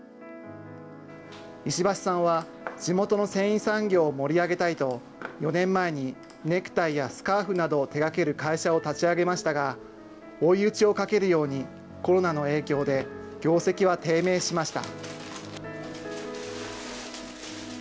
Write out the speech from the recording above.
石橋さんは、地元の繊維産業を盛り上げたいと、４年前に、ネクタイやスカーフなどを手がける会社を立ち上げましたが、追い打ちをかけるようにコロナの影響で、業績は低迷しました。